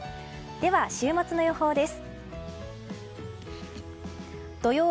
では週末の予報です。